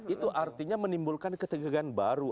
itu artinya menimbulkan ketegangan baru